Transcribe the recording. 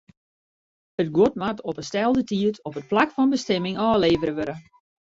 It guod moat op 'e stelde tiid op it plak fan bestimming ôflevere wurde.